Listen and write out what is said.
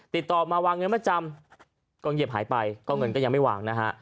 ติดต่อมาวางเงินมาจำก็เงียบหายไปก็เงินก็ยังไม่วางนะฮะ